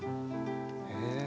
へえ。